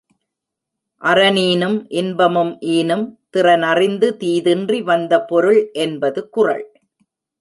அறனீனும் இன்பமும் ஈனும் திறனறிந்து தீதின்றி வந்த பொருள் என்பது குறள்.